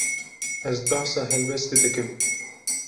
Ez behsa helbestê dikim.